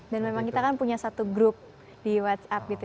dan memang kita kan punya satu grup di whatsapp gitu